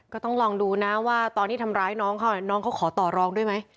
ก็ต้องลองดูนะว่าตอนที่ทำร้ายน้องเขาน้องเขาขอต่อรองด้วยไหม